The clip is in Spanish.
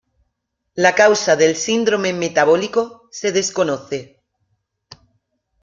La causa del síndrome metabólico se desconoce.